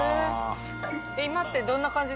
今ってどんな感じ？